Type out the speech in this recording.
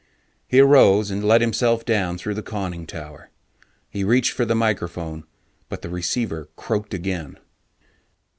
_ He arose and let himself down through the conning tower. He reached for the microphone, but the receiver croaked again.